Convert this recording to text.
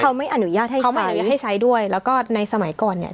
เขาไม่อนุญาตให้ใช้ใบอนุญาตให้ใช้ด้วยแล้วก็ในสมัยก่อนเนี่ย